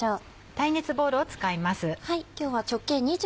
耐熱ボウルを使います。